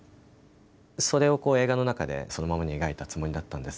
それを映画の中で、そのままに描いたつもりだったんです。